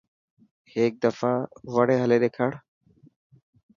هيڪ دفا وڙي هلي ڏيکار.